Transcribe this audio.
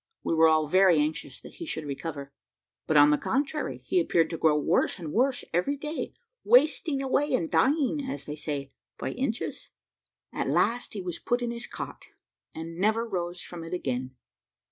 We were all very anxious that he should recover; but, on the contrary, he appeared to grow worse and worse every day, wasting away, and dying, as they say, by inches. At last he was put in his cot, and never rose from it again.